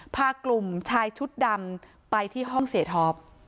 พากลุ่มชายชุดดำไปที่ห้องเสียท็อป